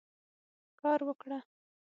کار وکړه.